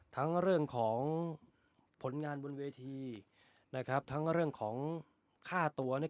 ทั้งเรื่องของผลงานบนเวทีนะครับทั้งเรื่องของค่าตัวเนี่ย